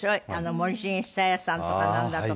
森繁久彌さんとかなんだとかって。